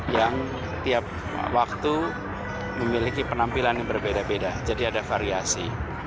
yang tiap waktu memiliki penampilan yang berbeda beda jadi ada variasi